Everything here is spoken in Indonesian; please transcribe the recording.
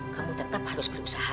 kamu tetap harus berusaha